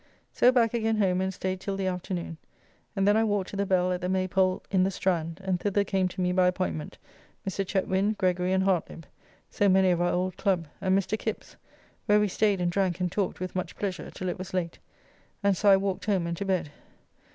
So back again home and staid till the afternoon, and then I walked to the Bell at the Maypole in the Strand, and thither came to me by appointment Mr. Chetwind, Gregory, and Hartlibb, so many of our old club, and Mr. Kipps, where we staid and drank and talked with much pleasure till it was late, and so I walked home and to bed.